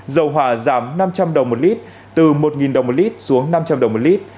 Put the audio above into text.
dầu hỏa giảm năm trăm linh đồng một lít từ một đồng một lít xuống năm trăm linh đồng một lít